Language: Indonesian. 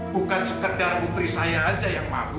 bukan sekedar putri saya aja yang malu